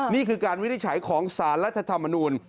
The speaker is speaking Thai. นี่คือการวินิจฉัยของสารรัฐธรรมนูล